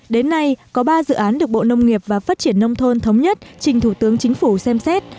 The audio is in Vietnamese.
đến nay có ba dự án được bộ nông nghiệp và phát triển nông thôn thống nhất trình thủ tướng chính phủ xem xét